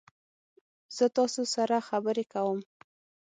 زه تاسو سره خبرې کوم.